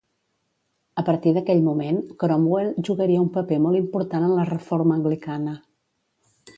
A partir d'aquell moment Cromwell jugaria un paper molt important en la reforma anglicana.